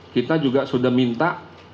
kita juga sudah minta